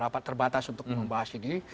rapat terbatas untuk membahas ini